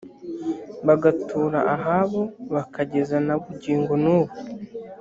bagatura ahabo bakageza na bugingo n’ubu